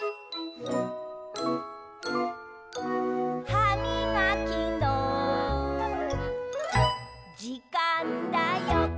「はみがきのじかんだよ！」